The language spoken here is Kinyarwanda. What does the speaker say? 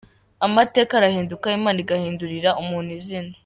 Amateka arahinduka, Imana igahindurira umuntu izina.